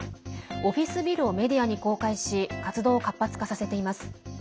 オフィスビルをメディアに公開し活動を活発化させています。